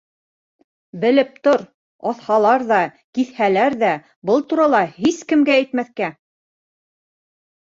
Белеп тор: аҫһалар ҙа, киҫһәләр ҙә, был турала һис кемгә әйтмәҫкә!